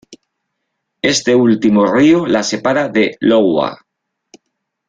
Este último río la separa de Iowa.